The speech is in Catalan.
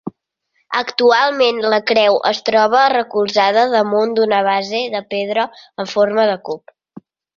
Actualment la creu es troba recolzada damunt d'una base de pedra en forma de cub.